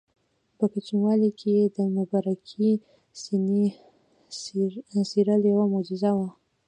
په کوچنیوالي کې یې د مبارکې سینې څیرل یوه معجزه وه.